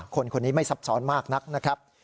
คนคนนี้ไม่ซับซ้อนมากนักนะครับ